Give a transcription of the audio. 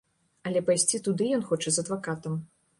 Але пайсці туды ён хоча з адвакатам.